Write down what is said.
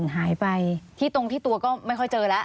หายไปที่ตรงที่ตัวก็ไม่ค่อยเจอแล้ว